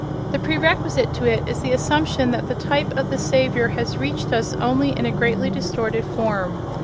The prerequisite to it is the assumption that the type of the Saviour has reached us only in a greatly distorted form.